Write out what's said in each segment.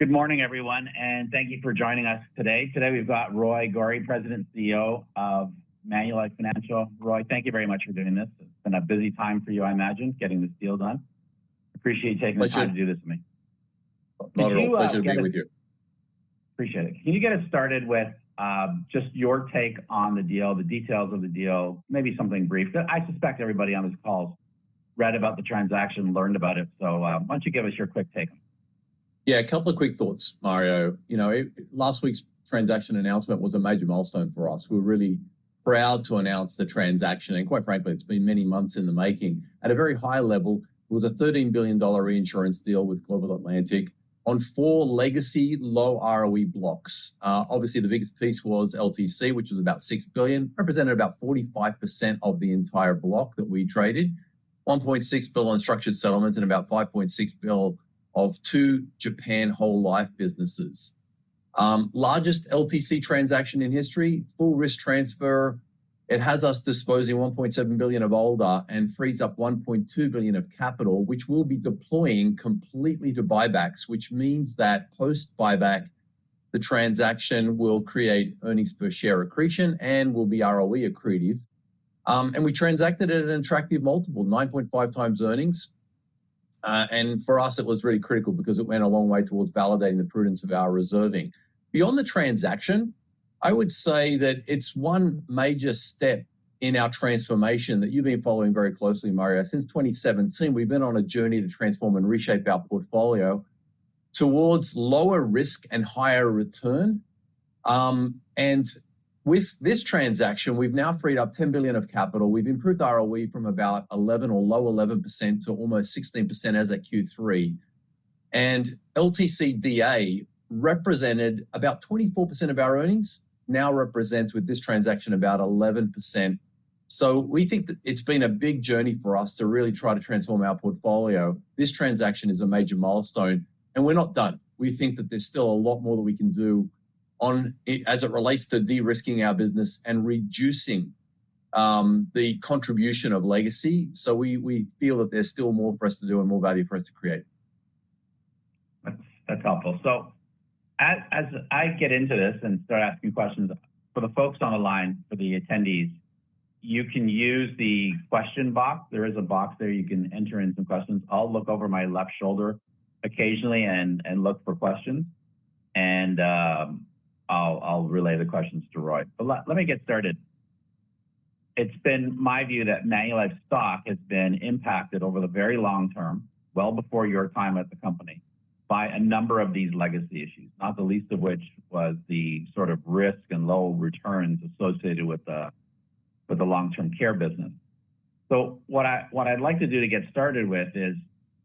Good morning, everyone, and thank you for joining us today. Today, we've got Roy Gori, President, CEO of Manulife Financial. Roy, thank you very much for doing this. It's been a busy time for you, I imagine, getting this deal done. I appreciate you taking the time- My pleasure to do this with me. Mario, pleasure to be with you. Appreciate it. Can you get us started with, just your take on the deal, the details of the deal? Maybe something brief. I suspect everybody on this call read about the transaction, learned about it. So, why don't you give us your quick take? Yeah, a couple of quick thoughts, Mario. You know, it last week's transaction announcement was a major milestone for us. We're really proud to announce the transaction, and quite frankly, it's been many months in the making. At a very high level, it was a $13 billion reinsurance deal with Global Atlantic on four legacy low ROE blocks. Obviously, the biggest piece was LTC, which was about $6 billion, represented about 45% of the entire block that we traded. $1.6 billion structured settlements and about $5.6 billion of two Japan whole life businesses. Largest LTC transaction in history, full risk transfer. It has us disposing $1.7 billion of ALDA and frees up $1.2 billion of capital, which we'll be deploying completely to buybacks, which means that post-buyback, the transaction will create earnings per share accretion and will be ROE accretive. And we transacted at an attractive multiple, 9.5x earnings. For us, it was really critical because it went a long way towards validating the prudence of our reserving. Beyond the transaction, I would say that it's one major step in our transformation that you've been following very closely, Mario. Since 2017, we've been on a journey to transform and reshape our portfolio towards lower risk and higher return. With this transaction, we've now freed up 10 billion of capital. We've improved ROE from about 11% or low 11% to almost 16% as at Q3. And LTC, VA represented about 24% of our earnings, now represents, with this transaction, about 11%. So we think that it's been a big journey for us to really try to transform our portfolio. This transaction is a major milestone, and we're not done. We think that there's still a lot more that we can do on it, as it relates to de-risking our business and reducing the contribution of legacy. So we, we feel that there's still more for us to do and more value for us to create. That's helpful. So as I get into this and start asking questions, for the folks on the line, for the attendees, you can use the question box. There is a box there you can enter in some questions. I'll look over my left shoulder occasionally and look for questions, and I'll relay the questions to Roy. But let me get started. It's been my view that Manulife stock has been impacted over the very long term, well before your time at the company, by a number of these legacy issues, not the least of which was the sort of risk and low returns associated with the long-term care business. So, what I'd like to do to get started is,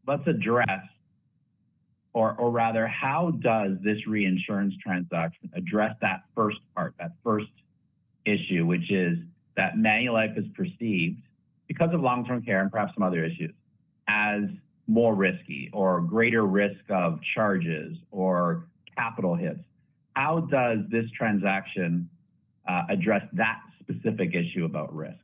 let's address, or rather, how does this reinsurance transaction address that first part, that first issue, which is that Manulife is perceived, because of long-term care and perhaps some other issues, as more risky or greater risk of charges or capital hits? How does this transaction address that specific issue about risk?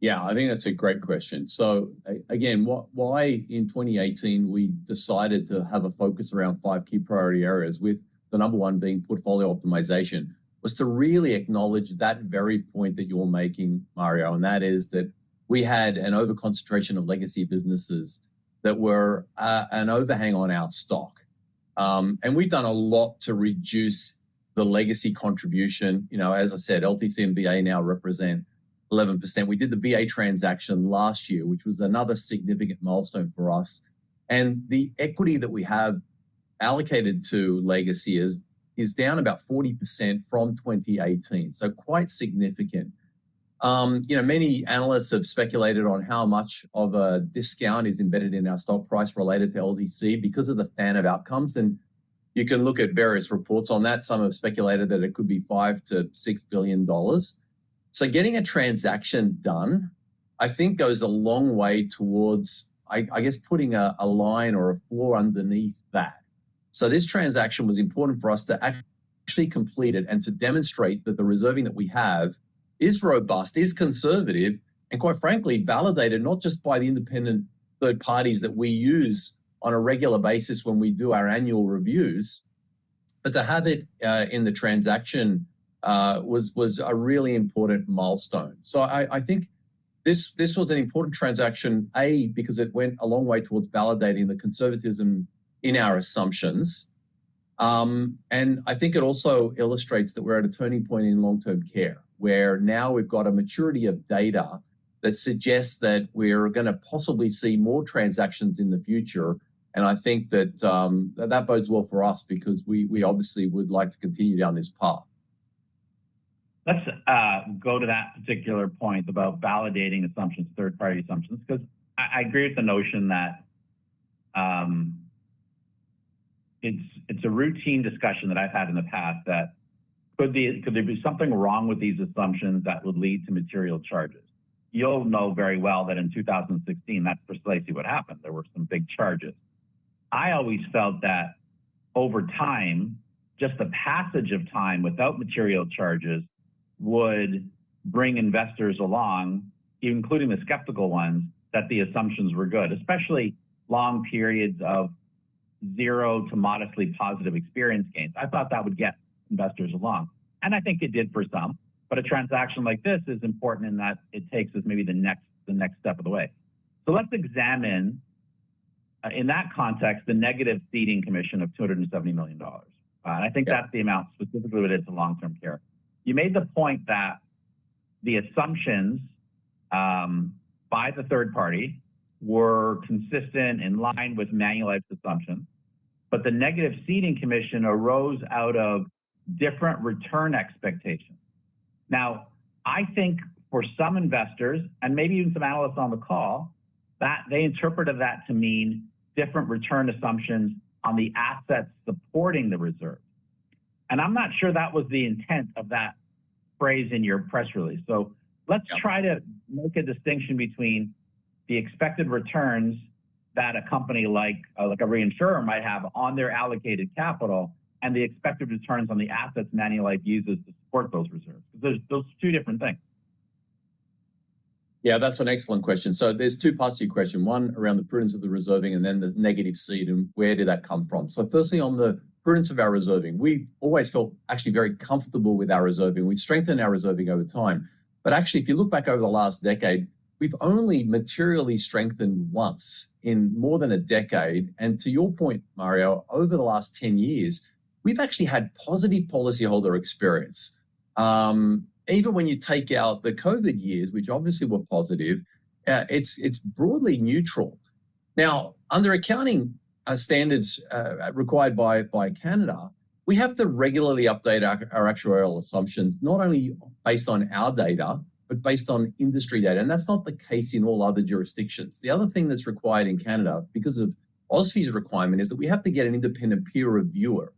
Yeah, I think that's a great question. So again, why in 2018, we decided to have a focus around five key priority areas, with the number one being portfolio optimization, was to really acknowledge that very point that you're making, Mario, and that is that we had an overconcentration of legacy businesses that were an overhang on our stock. And we've done a lot to reduce the legacy contribution. You know, as I said, LTC and VA now represent 11%. We did the VA transaction last year, which was another significant milestone for us, and the equity that we have allocated to legacy is down about 40% from 2018. Quite significant. You know, many analysts have speculated on how much of a discount is embedded in our stock price related to LTC because of the fan of outcomes, and you can look at various reports on that. Some have speculated that it could be $5 billion-$6 billion. So getting a transaction done, I think, goes a long way towards, I, I guess, putting a, a line or a floor underneath that. So this transaction was important for us to actually complete it and to demonstrate that the reserving that we have is robust, is conservative, and quite frankly, validated not just by the independent third parties that we use on a regular basis when we do our annual reviews, but to have it in the transaction was, was a really important milestone. So I think this was an important transaction, A, because it went a long way toward validating the conservatism in our assumptions. And I think it also illustrates that we're at a turning point in long-term care, where now we've got a maturity of data that suggests that we're gonna possibly see more transactions in the future. And I think that bodes well for us because we obviously would like to continue down this path. Let's go to that particular point about validating assumptions, third-party assumptions, because I agree with the notion that it's a routine discussion that I've had in the past that there could be something wrong with these assumptions that would lead to material charges? You'll know very well that in 2016, that's precisely what happened. There were some big charges. I always felt that over time, just the passage of time without material charges would bring investors along, including the skeptical ones, that the assumptions were good, especially long periods of zero to modestly positive experience gains. I thought that would get investors along, and I think it did for some. But a transaction like this is important in that it takes us maybe the next step of the way. So let's examine in that context the negative ceding commission of $270 million. And I think that's the amount specifically related to long-term care. You made the point that the assumptions by the third party were consistent in line with Manulife's assumption, but the negative ceding commission arose out of different return expectations. Now, I think for some investors, and maybe even some analysts on the call, that they interpreted that to mean different return assumptions on the assets supporting the reserve. And I'm not sure that was the intent of that phrase in your press release. So let's try to make a distinction between the expected returns that a company like a reinsurer might have on their allocated capital and the expected returns on the assets Manulife uses to support those reserves. Those are two different things. Yeah, that's an excellent question. So there's two parts to your question. One, around the prudence of the reserving and then the negative cede, and where did that come from? So firstly, on the prudence of our reserving, we've always felt actually very comfortable with our reserving. We've strengthened our reserving over time. But actually, if you look back over the last decade, we've only materially strengthened once in more than a decade. And to your point, Mario, over the last ten years, we've actually had positive policyholder experience. Even when you take out the COVID years, which obviously were positive, it's broadly neutral. Now, under accounting standards required by Canada, we have to regularly update our actuarial assumptions, not only based on our data, but based on industry data, and that's not the case in all other jurisdictions. The other thing that's required in Canada, because of OSFI's requirement, is that we have to get an independent peer reviewer.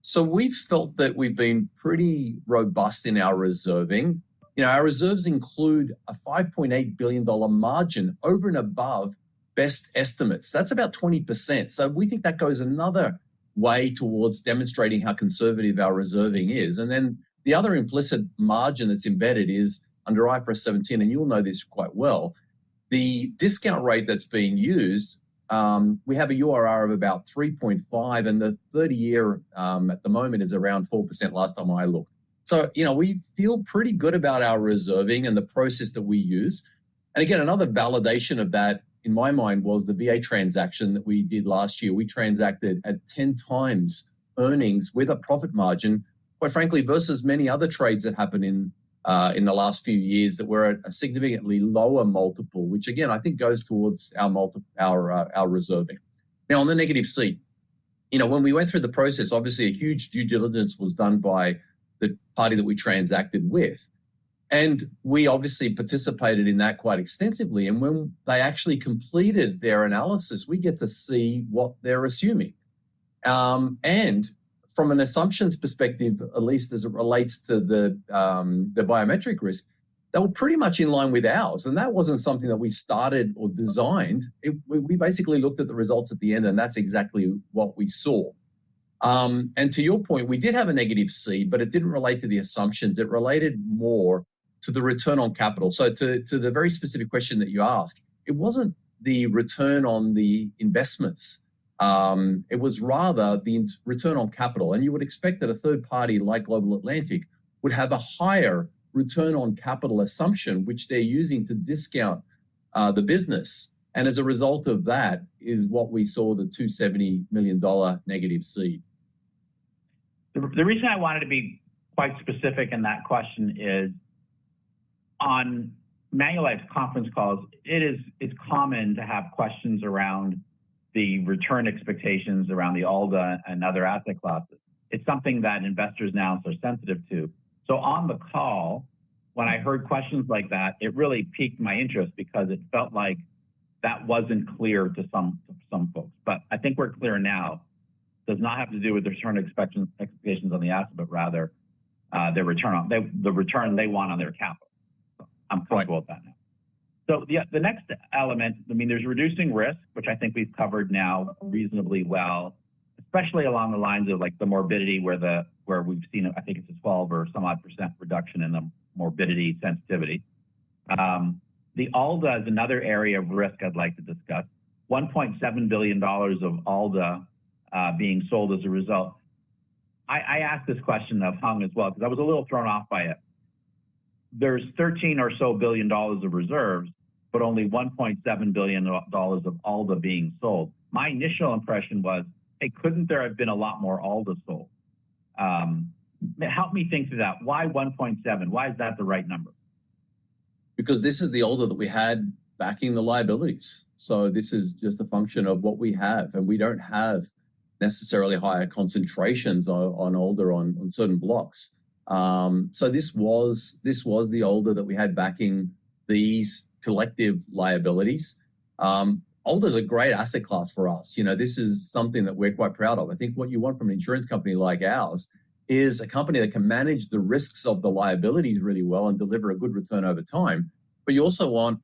So we've felt that we've been pretty robust in our reserving. You know, our reserves include a 5.8 billion dollar margin over and above best estimates. That's about 20%. So we think that goes another way towards demonstrating how conservative our reserving is. And then the other implicit margin that's embedded is under IFRS 17, and you'll know this quite well. The discount rate that's being used, we have a URR of about 3.5, and the 30-year, at the moment, is around 4%, last time I looked. So, you know, we feel pretty good about our reserving and the process that we use. And again, another validation of that, in my mind, was the VA transaction that we did last year. We transacted at 10x earnings with a profit margin, quite frankly, versus many other trades that happened in the last few years that were at a significantly lower multiple, which again, I think goes towards our multiple, our reserving. Now, on the negative cede, you know, when we went through the process, obviously a huge due diligence was done by the party that we transacted with, and we obviously participated in that quite extensively. And when they actually completed their analysis, we get to see what they're assuming. And from an assumptions perspective, at least as it relates to the biometric risk, they were pretty much in line with ours, and that wasn't something that we started or designed. We basically looked at the results at the end, and that's exactly what we saw. And to your point, we did have a negative cede, but it didn't relate to the assumptions. It related more to the return on capital. So to the very specific question that you asked, it wasn't the return on the investments, it was rather the return on capital. And you would expect that a third party like Global Atlantic would have a higher return on capital assumption, which they're using to discount the business. And as a result of that, is what we saw the $270 million negative cede. The reason I wanted to be quite specific in that question is, on Manulife's conference calls, it is... it's common to have questions around the return expectations around the ALDA and other asset classes. It's something that investors now are sensitive to. So on the call, when I heard questions like that, it really piqued my interest because it felt like that wasn't clear to some folks. But I think we're clear now; it does not have to do with the return expectations on the asset, but rather, the return on the return they want on their capital. Right. I'm comfortable with that now. So yeah, the next element, I mean, there's reducing risk, which I think we've covered now reasonably well, especially along the lines of, like, the morbidity, where the, where we've seen, I think it's a 12% or so reduction in the morbidity sensitivity. The ALDA is another area of risk I'd like to discuss. $1.7 billion of ALDA being sold as a result. I, I asked this question of Hung as well, because I was a little thrown off by it. There's $13 billion or so of reserves, but only $1.7 billion dollars of ALDA being sold. My initial impression was, "Hey, couldn't there have been a lot more ALDA sold?" Help me think through that. Why one point seven? Why is that the right number? Because this is the ALDA that we had backing the liabilities, so this is just a function of what we have, and we don't have necessarily higher concentrations on ALDA on certain blocks. So this was the ALDA that we had backing these collective liabilities. ALDA is a great asset class for us. You know, this is something that we're quite proud of. I think what you want from an insurance company like ours is a company that can manage the risks of the liabilities really well and deliver a good return over time. But you also want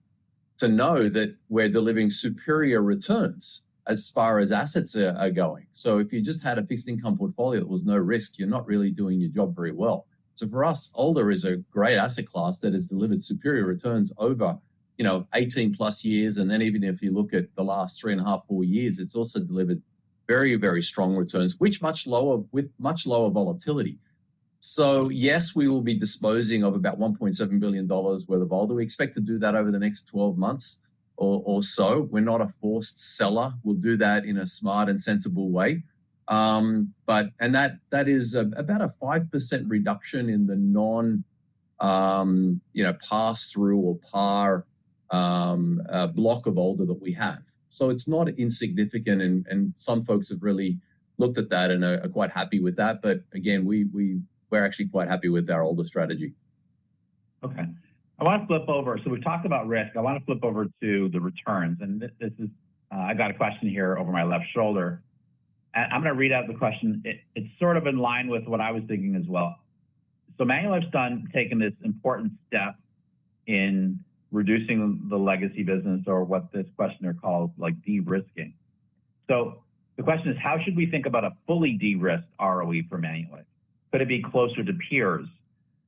to know that we're delivering superior returns as far as assets are going. So if you just had a fixed income portfolio that was no risk, you're not really doing your job very well. So for us, ALDA is a great asset class that has delivered superior returns over, you know, 18+ years. And then even if you look at the last 3.5-4 years, it's also delivered very, very strong returns with much lower volatility. So yes, we will be disposing of about $1.7 billion worth of ALDA. We expect to do that over the next 12 months or so. We're not a forced seller. We'll do that in a smart and sensible way. But that is about a 5% reduction in the non, you know, pass-through or par block of ALDA that we have. So it's not insignificant, and some folks have really looked at that and are quite happy with that. But again, we're actually quite happy with our ALDA strategy. Okay, I want to flip over. So we've talked about risk. I want to flip over to the returns, and this, this is, I've got a question here over my left shoulder, and I'm gonna read out the question. It, it's sort of in line with what I was thinking as well. So Manulife's done taking this important step in reducing the legacy business or what this questioner calls like, de-risking. So the question is: How should we think about a fully de-risked ROE for Manulife? Could it be closer to peers?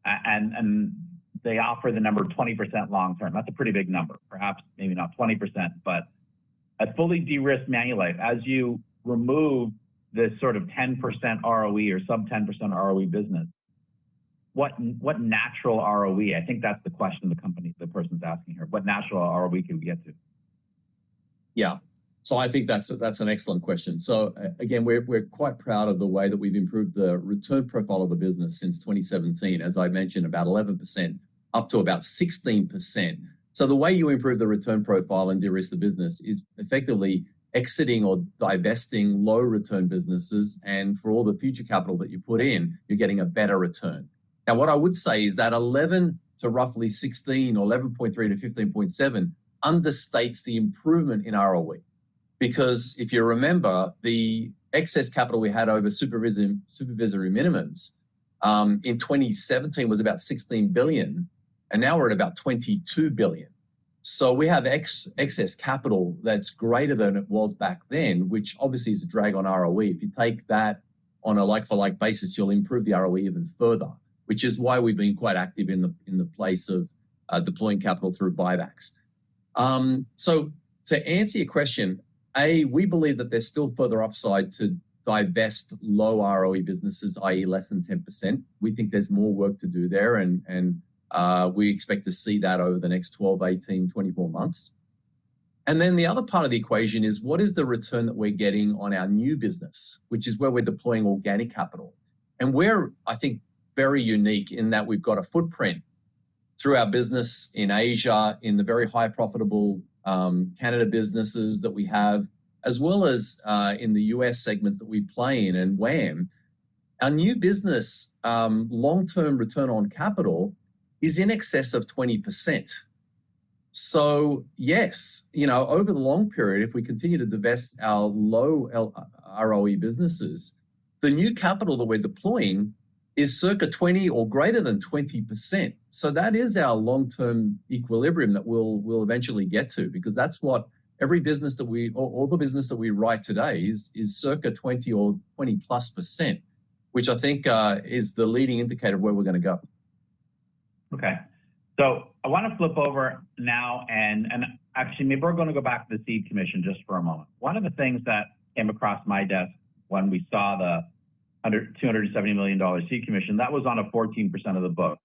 And they offer the number 20% long term. That's a pretty big number. Perhaps, maybe not 20%, but a fully de-risked Manulife, as you remove this sort of 10% ROE or sub-10% ROE business, what, what natural ROE? I think that's the question the person's asking here, what natural ROE can we get to? Yeah. So I think that's, that's an excellent question. So again, we're, we're quite proud of the way that we've improved the return profile of the business since 2017. As I mentioned, about 11%, up to about 16%. So the way you improve the return profile and de-risk the business is effectively exiting or divesting low return businesses, and for all the future capital that you put in, you're getting a better return. Now, what I would say is that 11% to roughly 16% or 11.3%-15.7% understates the improvement in ROE. Because if you remember, the excess capital we had over supervisory minimums in 2017 was about 16 billion, and now we're at about 22 billion. So we have excess capital that's greater than it was back then, which obviously is a drag on ROE. If you take that on a like-for-like basis, you'll improve the ROE even further, which is why we've been quite active in the, in the place of deploying capital through buybacks. So to answer your question, A, we believe that there's still further upside to divest low ROE businesses, i.e., less than 10%. We think there's more work to do there, and we expect to see that over the next 12, 18, 24 months. And then the other part of the equation is: What is the return that we're getting on our new business? Which is where we're deploying organic capital. And we're, I think, very unique in that we've got a footprint through our business in Asia, in the very high profitable Canada businesses that we have, as well as in the U.S. segments that we play in and WAM. Our new business, long-term return on capital is in excess of 20%. So yes, you know, over the long period, if we continue to divest our low ROE businesses, the new capital that we're deploying is circa 20% or greater than 20%. So that is our long-term equilibrium that we'll eventually get to, because that's what every business that we all the business that we write today is, is circa 20% or 20+%, which I think is the leading indicator of where we're gonna go. Okay, so I want to flip over now, and, and actually, maybe we're going to go back to the cede commission just for a moment. One of the things that came across my desk when we saw the $270 million cede commission, that was on a 14% of the book.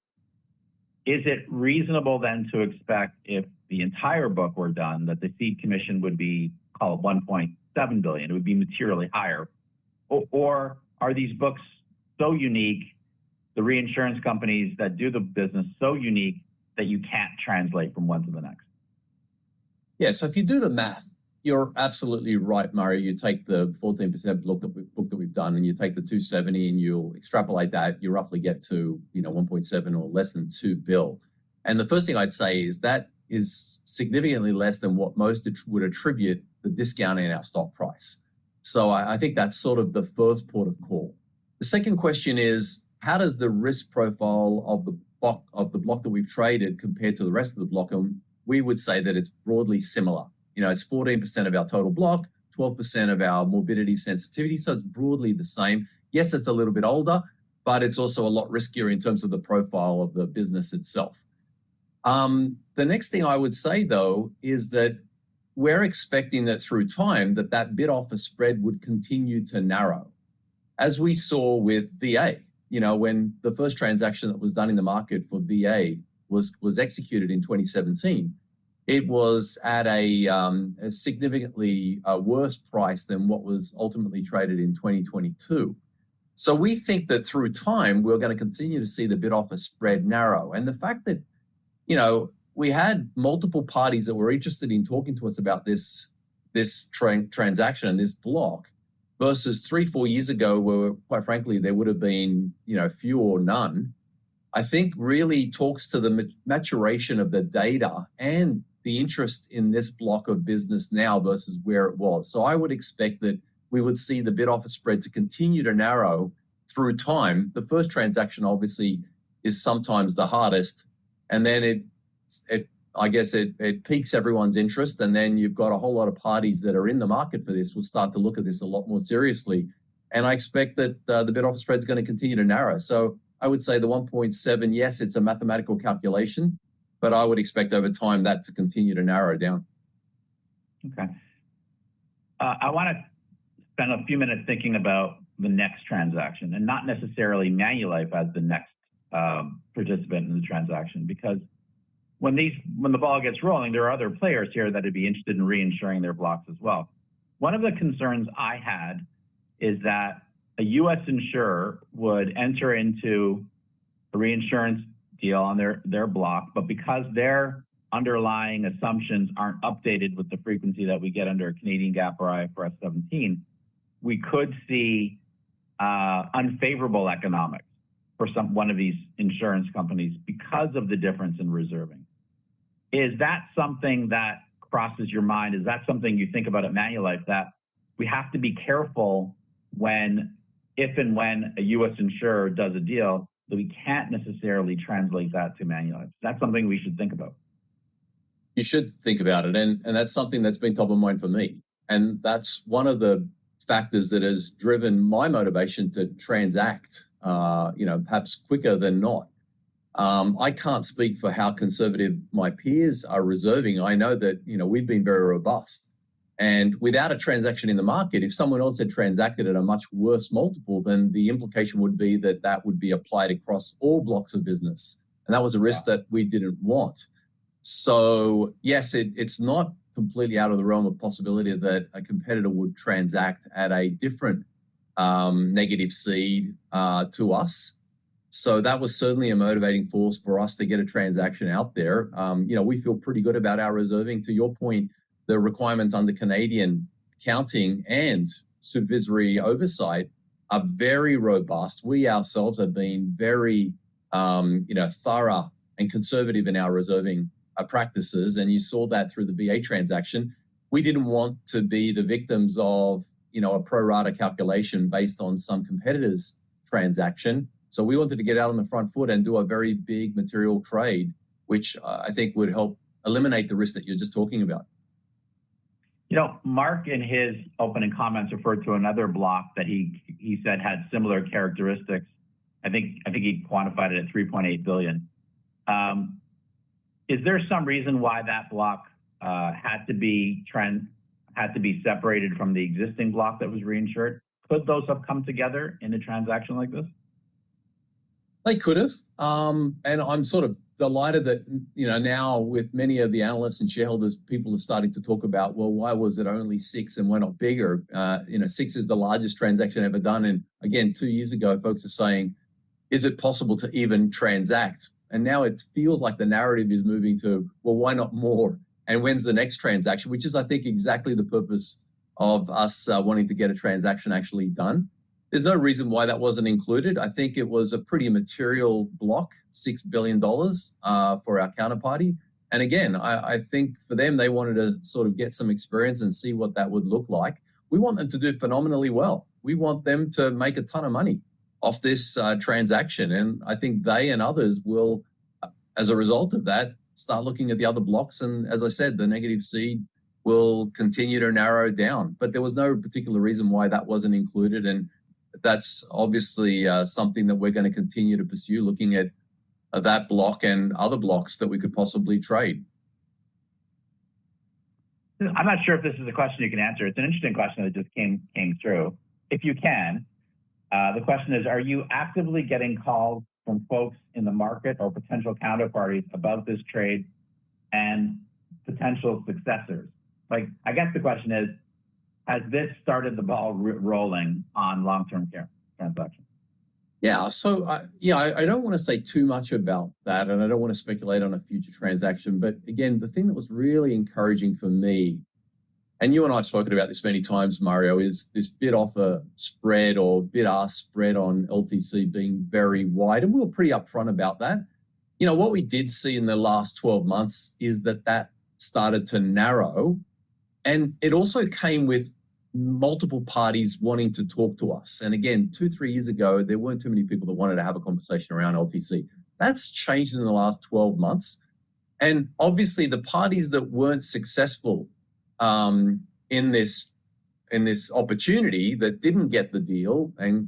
Is it reasonable then to expect if the entire book were done, that the cede commission would be, call it, $1.7 billion, it would be materially higher? Or, or are these books so unique, the reinsurance companies that do the business so unique, that you can't translate from one to the next? Yeah. So if you do the math, you're absolutely right, Mario. You take the 14% block that we've—block that we've done, and you take the $270, and you extrapolate that, you roughly get to, you know, $1.7 billion or less than $2 billion. And the first thing I'd say is that is significantly less than what most analysts would attribute the discount in our stock price. So I, I think that's sort of the first port of call. The second question is: How does the risk profile of the block, of the block that we've traded compare to the rest of the block? We would say that it's broadly similar. You know, it's 14% of our total block, 12% of our morbidity sensitivity, so it's broadly the same. Yes, it's a little bit older, but it's also a lot riskier in terms of the profile of the business itself. The next thing I would say, though, is that we're expecting that through time, that bid-offer spread would continue to narrow. As we saw with VA, you know, when the first transaction that was done in the market for VA was executed in 2017, it was at a significantly worse price than what was ultimately traded in 2022. So we think that through time, we're gonna continue to see the bid-offer spread narrow. And the fact that, you know, we had multiple parties that were interested in talking to us about this transaction and this block, versus three or four years ago, where quite frankly, there would have been, you know, few or none, I think really talks to the maturation of the data and the interest in this block of business now versus where it was. So I would expect that we would see the bid-offer spread to continue to narrow through time. The first transaction, obviously, is sometimes the hardest, and then it, I guess, it piques everyone's interest, and then you've got a whole lot of parties that are in the market for this will start to look at this a lot more seriously. And I expect that the bid-offer spread is gonna continue to narrow. I would say the 1.7, yes, it's a mathematical calculation, but I would expect over time that to continue to narrow down. Okay. I wanna spend a few minutes thinking about the next transaction, and not necessarily Manulife as the next participant in the transaction, because when the ball gets rolling, there are other players here that'd be interested in reinsuring their blocks as well. One of the concerns I had is that a U.S. insurer would enter into a reinsurance deal on their block, but because their underlying assumptions aren't updated with the frequency that we get under a Canadian GAAP or IFRS 17, we could see unfavorable economics for someone of these insurance companies because of the difference in reserving. Is that something that crosses your mind? Is that something you think about at Manulife, that we have to be careful when, if and when a U.S. insurer does a deal, that we can't necessarily translate that to Manulife? Is that something we should think about? You should think about it, and that's something that's been top of mind for me. That's one of the factors that has driven my motivation to transact, you know, perhaps quicker than not. I can't speak for how conservative my peers are reserving. I know that, you know, we've been very robust. Without a transaction in the market, if someone else had transacted at a much worse multiple, then the implication would be that that would be applied across all blocks of business, and that was a risk. Yeah... that we didn't want. So yes, it's not completely out of the realm of possibility that a competitor would transact at a different, negative cede, to us. So that was certainly a motivating force for us to get a transaction out there. You know, we feel pretty good about our reserving. To your point, the requirements on the Canadian accounting and supervisory oversight are very robust. We ourselves have been very, you know, thorough and conservative in our reserving practices, and you saw that through the VA transaction. We didn't want to be the victims of, you know, a pro rata calculation based on some competitor's transaction. So we wanted to get out on the front foot and do a very big material trade, which, I think would help eliminate the risk that you're just talking about. You know, Mark, in his opening comments, referred to another block that he said had similar characteristics. I think he quantified it at $3.8 billion. Is there some reason why that block had to be separated from the existing block that was reinsured? Could those have come together in a transaction like this? They could have. And I'm sort of delighted that, you know, now with many of the analysts and shareholders, people are starting to talk about, "Well, why was it only six, and why not bigger?" You know, six is the largest transaction ever done, and again, two years ago, folks are saying, "Is it possible to even transact?" And now it feels like the narrative is moving to, "Well, why not more, and when's the next transaction?" Which is, I think, exactly the purpose of us wanting to get a transaction actually done. There's no reason why that wasn't included. I think it was a pretty material block, $6 billion, for our counterparty. And again, I, I think for them, they wanted to sort of get some experience and see what that would look like. We want them to do phenomenally well. We want them to make a ton of money off this transaction, and I think they and others will, as a result of that, start looking at the other blocks, and as I said, the negative C will continue to narrow down. But there was no particular reason why that wasn't included, and that's obviously something that we're gonna continue to pursue, looking at that block and other blocks that we could possibly trade. I'm not sure if this is a question you can answer. It's an interesting question that just came through. If you can, the question is: Are you actively getting calls from folks in the market or potential counterparties about this trade and potential successors? Like, I guess the question is: Has this started the ball rolling on long-term care transactions? Yeah, so, yeah, I don't wanna say too much about that, and I don't wanna speculate on a future transaction. But again, the thing that was really encouraging for me, and you and I have spoken about this many times, Mario, is this bid-offer spread or bid-ask spread on LTC being very wide, and we were pretty upfront about that. You know, what we did see in the last 12 months is that that started to narrow, and it also came with multiple parties wanting to talk to us. And again, two, three years ago, there weren't too many people that wanted to have a conversation around LTC. That's changed in the last 12 months, and obviously, the parties that weren't successful in this opportunity, that didn't get the deal, and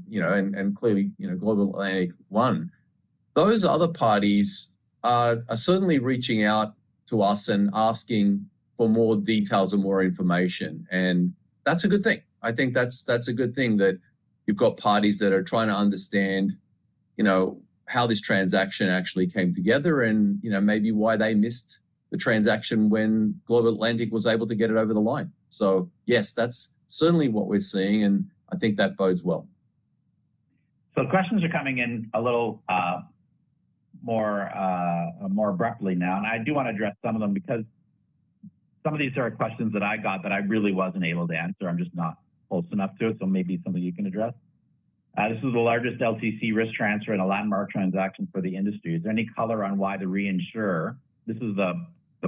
clearly, you know, Global Atlantic won. Those other parties are certainly reaching out to us and asking for more details and more information, and that's a good thing. I think that's a good thing, that you've got parties that are trying to understand, you know, how this transaction actually came together and, you know, maybe why they missed the transaction when Global Atlantic was able to get it over the line. So yes, that's certainly what we're seeing, and I think that bodes well. So questions are coming in a little more abruptly now, and I do wanna address some of them because some of these are questions that I got that I really wasn't able to answer. I'm just not close enough to it, so maybe something you can address. This is the largest LTC risk transfer and a landmark transaction for the industry. Is there any color on why the reinsurer... This is the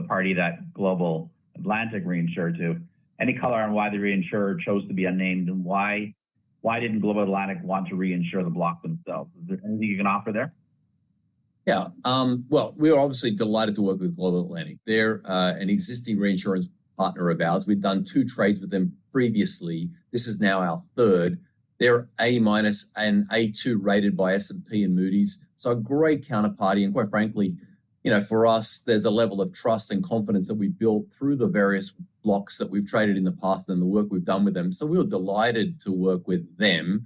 party that Global Atlantic reinsured to. Any color on why the reinsurer chose to be unnamed, and why didn't Global Atlantic want to reinsure the block themselves? Is there anything you can offer there? Yeah. Well, we are obviously delighted to work with Global Atlantic. They're an existing reinsurance partner of ours. We've done two trades with them previously. This is now our third. They're A-minus and A2 rated by S&P and Moody's, so a great counterparty, and quite frankly, you know, for us, there's a level of trust and confidence that we've built through the various blocks that we've traded in the past and the work we've done with them. So we were delighted to work with them.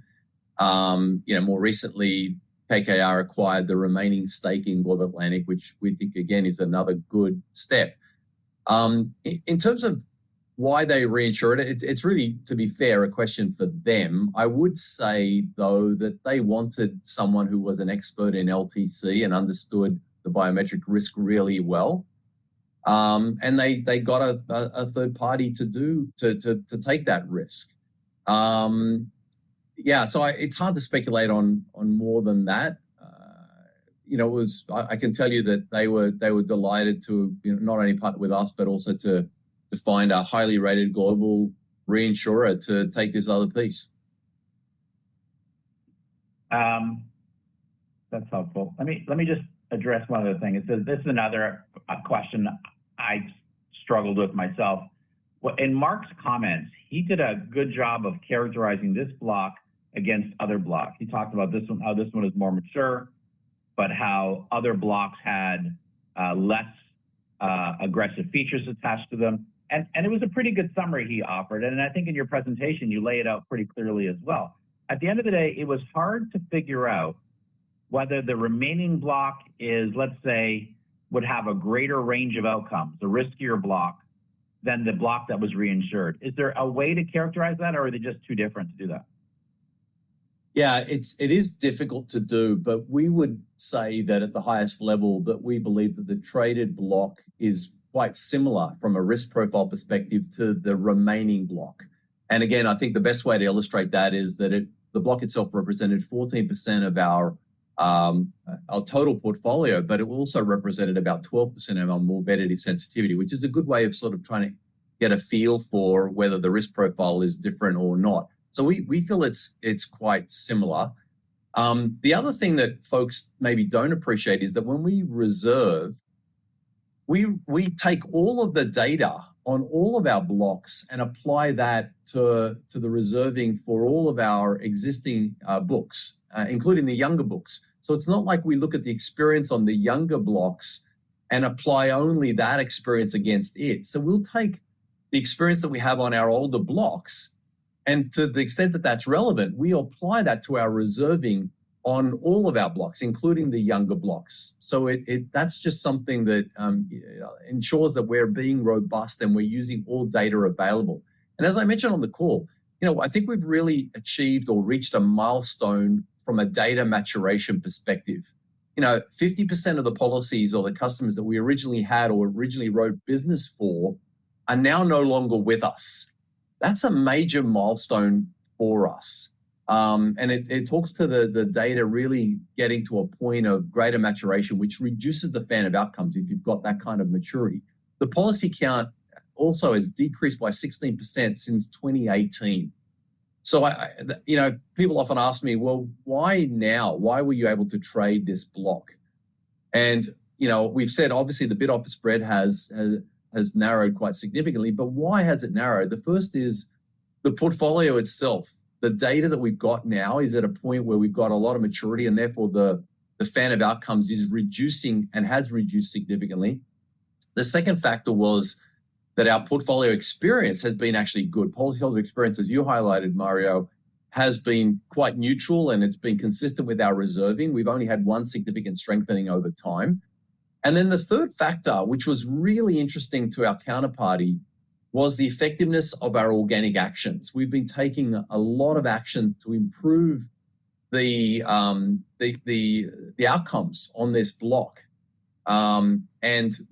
You know, more recently, KKR acquired the remaining stake in Global Atlantic, which we think, again, is another good step. In terms of why they reinsured it, it's really, to be fair, a question for them. I would say, though, that they wanted someone who was an expert in LTC and understood the biometric risk really well. And they got a third party to take that risk. Yeah, so it's hard to speculate on more than that. You know, it was... I can tell you that they were delighted to, you know, not only partner with us, but also to find a highly rated global reinsurer to take this other piece. That's helpful. Let me, let me just address one other thing. It says, this is another question I struggled with myself. Well, in Mark's comments, he did a good job of characterizing this block against other blocks. He talked about this one, how this one is more mature, but how other blocks had less aggressive features attached to them. And, and it was a pretty good summary he offered, and I think in your presentation, you lay it out pretty clearly as well. At the end of the day, it was hard to figure out whether the remaining block is, let's say, would have a greater range of outcomes, a riskier block than the block that was reinsured. Is there a way to characterize that, or are they just too different to do that? Yeah, it is difficult to do, but we would say that at the highest level, that we believe that the traded block is quite similar from a risk profile perspective to the remaining block. And again, I think the best way to illustrate that is that the block itself represented 14% of our total portfolio, but it also represented about 12% of our morbidity sensitivity, which is a good way of sort of trying to get a feel for whether the risk profile is different or not. So we feel it's quite similar. The other thing that folks maybe don't appreciate is that when we reserve, we take all of the data on all of our blocks and apply that to the reserving for all of our existing books, including the younger books. So it's not like we look at the experience on the younger blocks and apply only that experience against it. So we'll take the experience that we have on our older blocks, and to the extent that that's relevant, we apply that to our reserving on all of our blocks, including the younger blocks. So that's just something that ensures that we're being robust, and we're using all data available. And as I mentioned on the call, you know, I think we've really achieved or reached a milestone from a data maturation perspective. You know, 50% of the policies or the customers that we originally had or originally wrote business for are now no longer with us. That's a major milestone for us. And it talks to the data really getting to a point of greater maturation, which reduces the fan of outcomes if you've got that kind of maturity. The policy count also has decreased by 16% since 2018. You know, people often ask me: "Well, why now? Why were you able to trade this block?" And, you know, we've said, obviously, the bid-offer spread has narrowed quite significantly. But why has it narrowed? The first is the portfolio itself. The data that we've got now is at a point where we've got a lot of maturity, and therefore, the fan of outcomes is reducing and has reduced significantly. The second factor was that our portfolio experience has been actually good. Portfolio experience, as you highlighted, Mario, has been quite neutral, and it's been consistent with our reserving. We've only had one significant strengthening over time. Then the third factor, which was really interesting to our counterparty, was the effectiveness of our organic actions. We've been taking a lot of actions to improve the outcomes on this block. And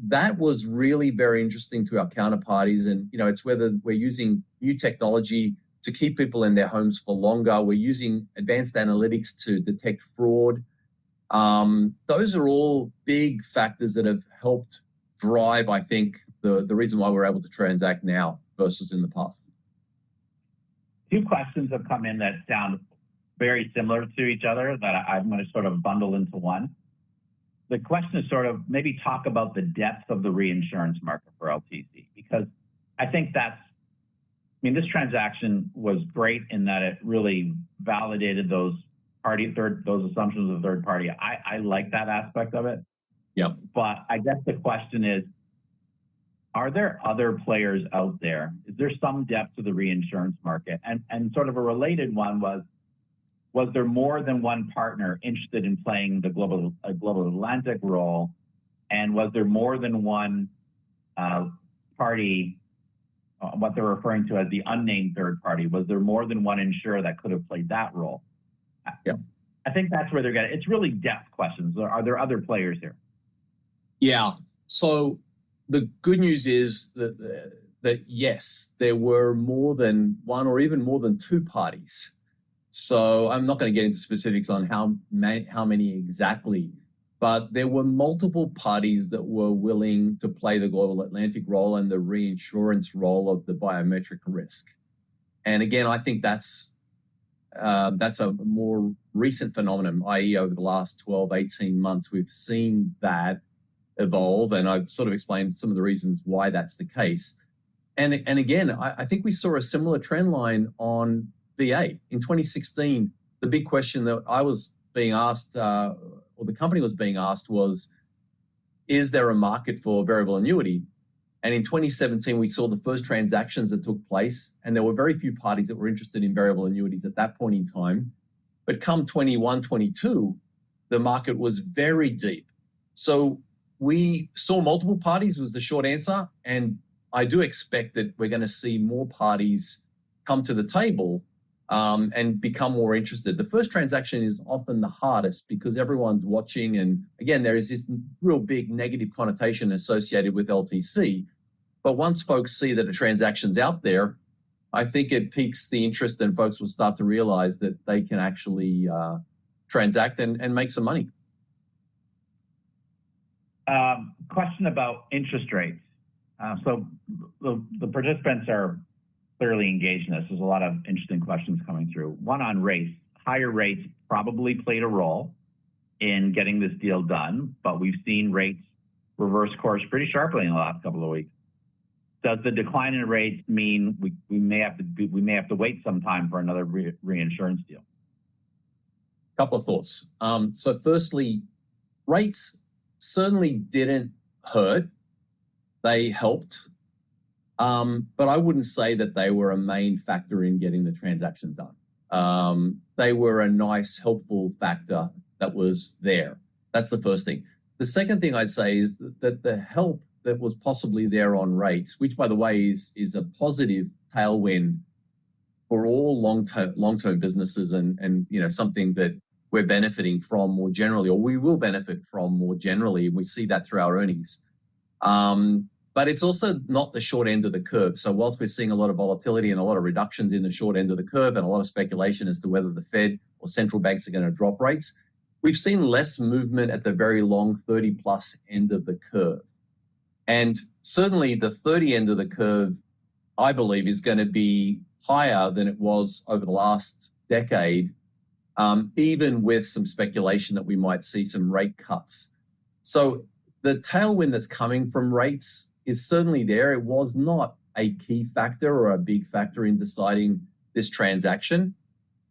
that was really very interesting to our counterparties, and, you know, it's whether we're using new technology to keep people in their homes for longer. We're using advanced analytics to detect fraud. Those are all big factors that have helped drive, I think, the reason why we're able to transact now versus in the past. Two questions have come in that sound very similar to each other that I'm gonna sort of bundle into one. The question is sort of maybe talk about the depth of the reinsurance market for LTC, because I think that's... I mean, this transaction was great in that it really validated those assumptions of third party. I like that aspect of it. Yep. But I guess the question is: Are there other players out there? Is there some depth to the reinsurance market? And sort of a related one was: Was there more than one partner interested in playing the Global Atlantic role? And was there more than one party, what they're referring to as the unnamed third party, was there more than one insurer that could have played that role? Yeah. I think that's where they're gonna... It's really in-depth questions. Are there other players here? Yeah. So the good news is that, that, yes, there were more than one or even more than two parties. So I'm not gonna get into specifics on how many exactly… but there were multiple parties that were willing to play the Global Atlantic role and the reinsurance role of the biometric risk. And again, I think that's, that's a more recent phenomenon, i.e., over the last 12, 18 months, we've seen that evolve, and I've sort of explained some of the reasons why that's the case. And again, I think we saw a similar trend line on VA. In 2016, the big question that I was being asked, or the company was being asked was: Is there a market for variable annuity? In 2017, we saw the first transactions that took place, and there were very few parties that were interested in variable annuities at that point in time. But come 2021, 2022, the market was very deep. So we saw multiple parties, was the short answer, and I do expect that we're gonna see more parties come to the table, and become more interested. The first transaction is often the hardest because everyone's watching, and again, there is this real big negative connotation associated with LTC. But once folks see that the transaction's out there, I think it piques the interest, and folks will start to realize that they can actually transact and make some money. Question about interest rates. So the participants are clearly engaged in this. There's a lot of interesting questions coming through. One on rates. Higher rates probably played a role in getting this deal done, but we've seen rates reverse course pretty sharply in the last couple of weeks. Does the decline in rates mean we may have to wait some time for another reinsurance deal? Couple of thoughts. So firstly, rates certainly didn't hurt. They helped, but I wouldn't say that they were a main factor in getting the transaction done. They were a nice, helpful factor that was there. That's the first thing. The second thing I'd say is that the help that was possibly there on rates, which, by the way, is a positive tailwind for all long-term businesses and, you know, something that we're benefiting from more generally, or we will benefit from more generally, we see that through our earnings. But it's also not the short end of the curve. So while we're seeing a lot of volatility and a lot of reductions in the short end of the curve, and a lot of speculation as to whether the Fed or central banks are gonna drop rates, we've seen less movement at the very long 30-plus end of the curve. And certainly, the 30 end of the curve, I believe, is gonna be higher than it was over the last decade, even with some speculation that we might see some rate cuts. So the tailwind that's coming from rates is certainly there. It was not a key factor or a big factor in deciding this transaction.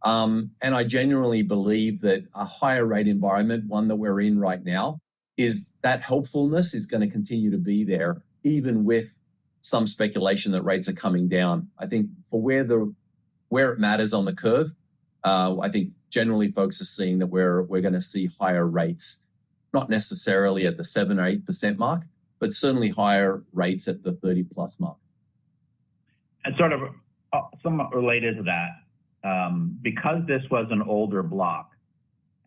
And I genuinely believe that a higher rate environment, one that we're in right now, is that hopefulness is gonna continue to be there, even with some speculation that rates are coming down. I think for where it matters on the curve, I think generally folks are seeing that we're gonna see higher rates, not necessarily at the 7% or 8% mark, but certainly higher rates at the 30+ mark. Sort of, somewhat related to that, because this was an older block,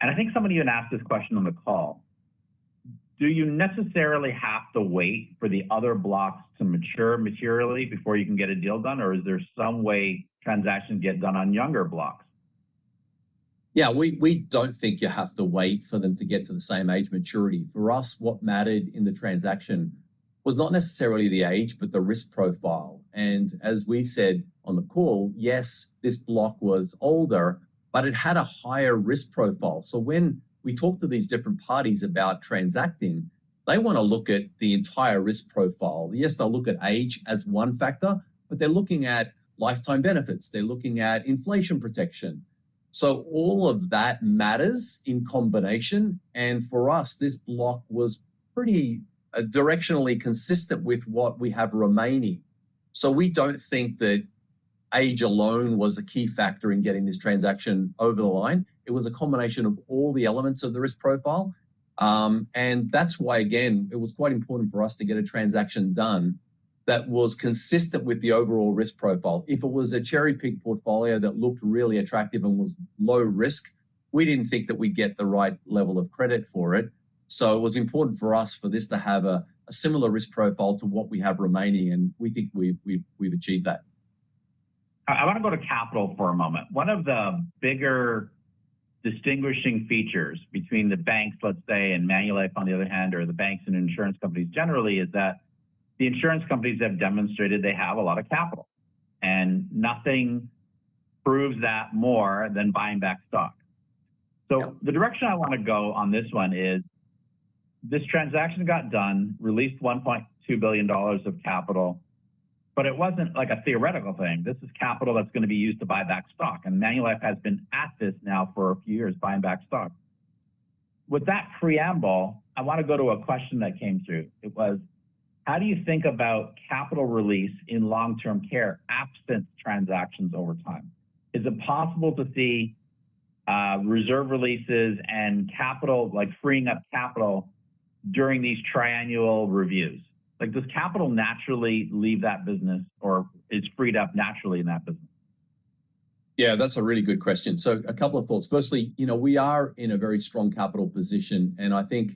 and I think somebody even asked this question on the call: Do you necessarily have to wait for the other blocks to mature materially before you can get a deal done, or is there some way transactions get done on younger blocks? Yeah, we don't think you have to wait for them to get to the same age maturity. For us, what mattered in the transaction was not necessarily the age, but the risk profile. As we said on the call, yes, this block was older, but it had a higher risk profile. So when we talk to these different parties about transacting, they wanna look at the entire risk profile. Yes, they'll look at age as one factor, but they're looking at lifetime benefits. They're looking at inflation protection. So all of that matters in combination, and for us, this block was pretty directionally consistent with what we have remaining. So we don't think that age alone was a key factor in getting this transaction over the line. It was a combination of all the elements of the risk profile. That's why, again, it was quite important for us to get a transaction done that was consistent with the overall risk profile. If it was a cherry-picked portfolio that looked really attractive and was low risk, we didn't think that we'd get the right level of credit for it. It was important for us for this to have a similar risk profile to what we have remaining, and we think we've achieved that. I wanna go to capital for a moment. One of the bigger distinguishing features between the banks, let's say, and Manulife, on the other hand, or the banks and insurance companies generally, is that the insurance companies have demonstrated they have a lot of capital, and nothing proves that more than buying back stock. Yeah. So the direction I wanna go on this one is, this transaction got done, released $1.2 billion of capital, but it wasn't like a theoretical thing. This is capital that's gonna be used to buy back stock, and Manulife has been at this now for a few years, buying back stock. With that preamble, I wanna go to a question that came through. It was: How do you think about capital release in long-term care, absent transactions over time? Is it possible to see, reserve releases and capital, like, freeing up capital during these triennial reviews? Like, does capital naturally leave that business or it's freed up naturally in that business? Yeah, that's a really good question. So a couple of thoughts. Firstly, you know, we are in a very strong capital position, and I think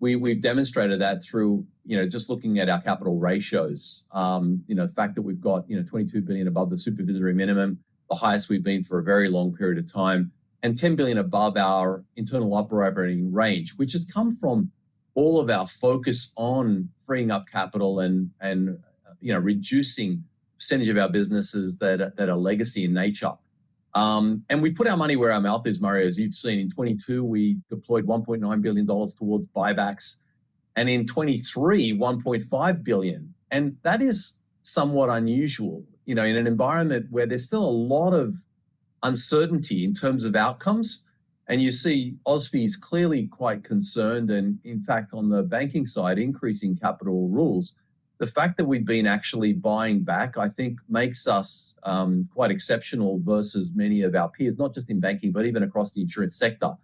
we've demonstrated that through, you know, just looking at our capital ratios. You know, the fact that we've got, you know, 22 billion above the supervisory minimum, the highest we've been for a very long period of time, and 10 billion above our internal operating range, which has come from all of our focus on freeing up capital and, you know, reducing percentage of our businesses that are legacy in nature. And we put our money where our mouth is, Mario. As you've seen, in 2022, we deployed 1.9 billion dollars towards buybacks, and in 2023, 1.5 billion. And that is somewhat unusual. You know, in an environment where there's still a lot of uncertainty in terms of outcomes, and you see OSFI is clearly quite concerned, and in fact, on the banking side, increasing capital rules. The fact that we've been actually buying back, I think, makes us quite exceptional versus many of our peers, not just in banking, but even across the insurance sector.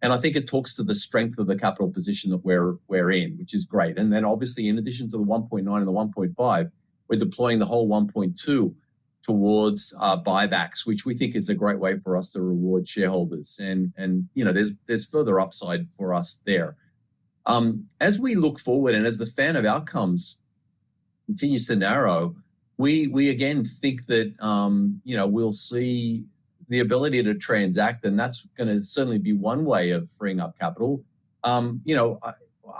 And I think it talks to the strength of the capital position that we're in, which is great. And then obviously, in addition to the 1.9 and the 1.5, we're deploying the whole 1.2 towards buybacks, which we think is a great way for us to reward shareholders. And you know, there's further upside for us there. As we look forward, and as the fan of outcomes continues to narrow, we again think that, you know, we'll see the ability to transact, and that's gonna certainly be one way of freeing up capital. You know,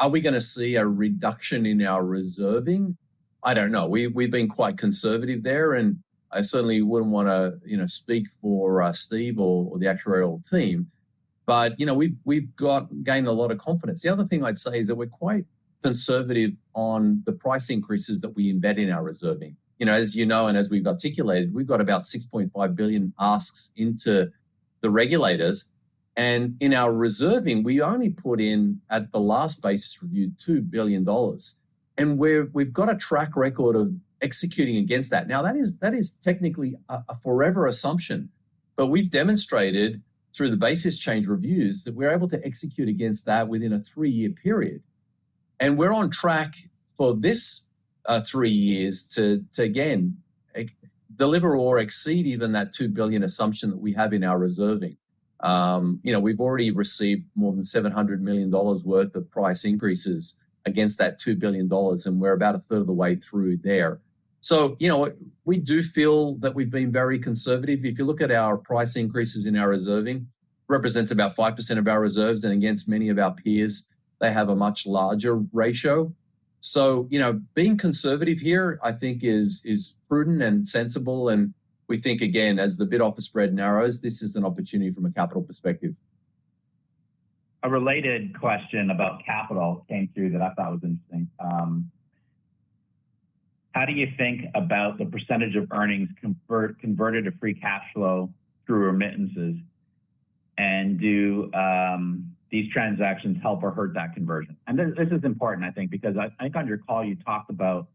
are we gonna see a reduction in our reserving? I don't know. We've been quite conservative there, and I certainly wouldn't wanna, you know, speak for, Steve or the actuarial team, but, you know, we've got gained a lot of confidence. The other thing I'd say is that we're quite conservative on the price increases that we embed in our reserving. You know, as you know, and as we've articulated, we've got about $6.5 billion asks into the regulators, and in our reserving, we only put in, at the last basis review, $2 billion, and we've got a track record of executing against that. Now, that is technically a forever assumption, but we've demonstrated through the basis change reviews that we're able to execute against that within a three-year period. And we're on track for this three years to again deliver or exceed even that $2 billion assumption that we have in our reserving. You know, we've already received more than $700 million worth of price increases against that $2 billion, and we're about a third of the way through there. So, you know what? We do feel that we've been very conservative. If you look at our price increases in our reserving, represents about 5% of our reserves, and against many of our peers, they have a much larger ratio. So, you know, being conservative here, I think is prudent and sensible, and we think, again, as the bid-offer spread narrows, this is an opportunity from a capital perspective. A related question about capital came through that I thought was interesting. How do you think about the percentage of earnings convert- converted to free cash flow through remittances? And do these transactions help or hurt that conversion? And this, this is important, I think, because I, I think on your call, you talked about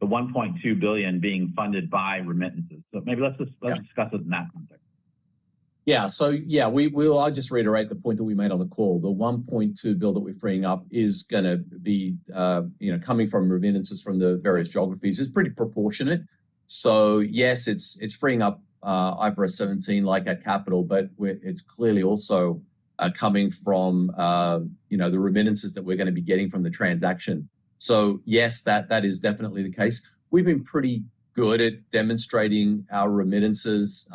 the 1.2 billion being funded by remittances. So maybe let's just- Yeah... let's discuss it in that context. Yeah. So, yeah, I'll just reiterate the point that we made on the call. The $1.2 billion that we're freeing up is gonna be, you know, coming from remittances from the various geographies. It's pretty proportionate, so yes, it's freeing up IFRS 17, like our capital, but it's clearly also coming from the remittances that we're gonna be getting from the transaction. So yes, that is definitely the case. We've been pretty good at demonstrating our remittances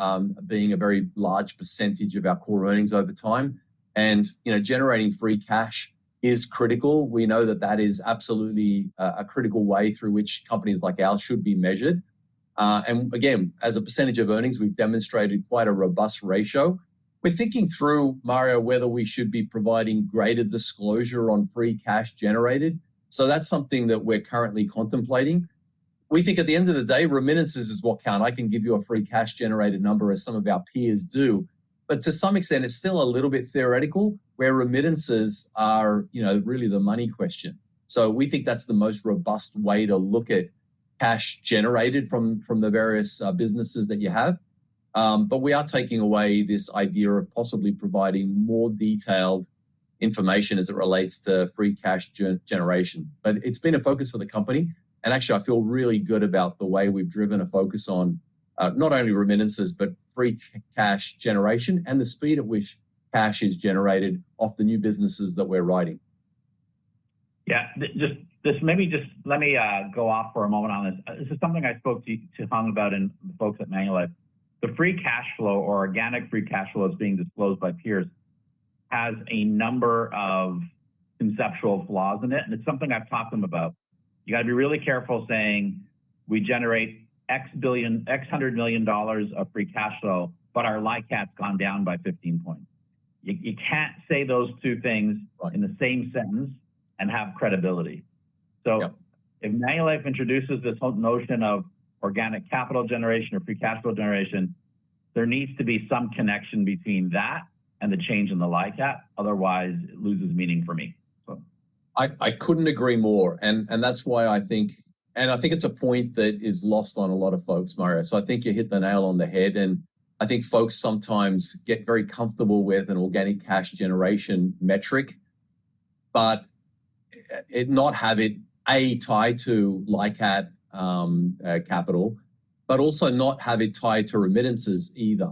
being a very large percentage of our core earnings over time, and, you know, generating free cash is critical. We know that that is absolutely a critical way through which companies like ours should be measured. And again, as a percentage of earnings, we've demonstrated quite a robust ratio. We're thinking through, Mario, whether we should be providing greater disclosure on free cash generated, so that's something that we're currently contemplating. We think at the end of the day, remittances is what count. I can give you a free cash generated number, as some of our peers do, but to some extent, it's still a little bit theoretical, where remittances are, you know, really the money question. So we think that's the most robust way to look at cash generated from the various businesses that you have. But we are taking away this idea of possibly providing more detailed information as it relates to free cash generation. But it's been a focus for the company, and actually, I feel really good about the way we've driven a focus on not only remittances, but free cash generation, and the speed at which cash is generated off the new businesses that we're writing. Yeah. Just maybe let me go off for a moment on this. This is something I spoke to Tom about and the folks at Manulife. The free cash flow or organic free cash flow is being disclosed by peers, has a number of conceptual flaws in it, and it's something I've talked to them about. You gotta be really careful saying: We generate x billion, x hundred million dollars of free cash flow, but our LICAT's gone down by 15 points. You can't say those two things in the same sentence and have credibility. Yeah. If Manulife introduces this whole notion of organic capital generation or free cash flow generation, there needs to be some connection between that and the change in the LICAT, otherwise it loses meaning for me, so. I couldn't agree more, and that's why I think... And I think it's a point that is lost on a lot of folks, Mario. So I think you hit the nail on the head, and I think folks sometimes get very comfortable with an organic cash generation metric. But it not have it A tied to LICAT capital, but also not have it tied to remittances either.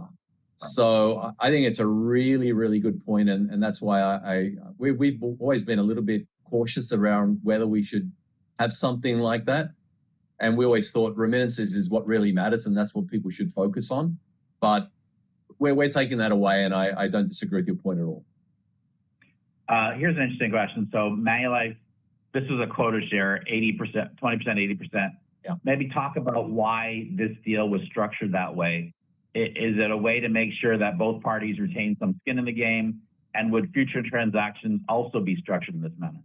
So I think it's a really, really good point, and that's why we've always been a little bit cautious around whether we should have something like that, and we always thought remittances is what really matters, and that's what people should focus on. But we're taking that away, and I don't disagree with your point at all. Here's an interesting question: so Manulife, this is a quota share, 80%... 20%, 80%. Yeah. Maybe talk about why this deal was structured that way. Is it a way to make sure that both parties retain some skin in the game? Would future transactions also be structured in this manner?